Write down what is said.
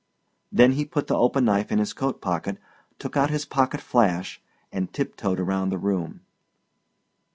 Then he put the open knife in his coat pocket, took out his pocket flash, and tiptoed around the room.